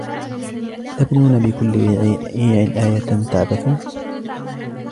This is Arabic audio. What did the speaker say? أتبنون بكل ريع آية تعبثون